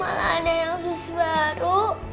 malah ada yang sus baru